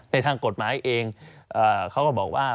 ในทางกฎหมายเองเขาก็บอกว่า